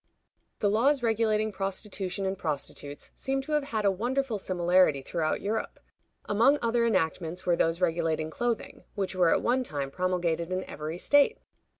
The laws regulating prostitution and prostitutes seem to have had a wonderful similarity throughout Europe. Among other enactments were those regulating clothing, which were at one time promulgated in every state.